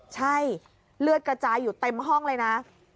ใช่เลือดกระจายอยู่เต็มห้องเลยนะ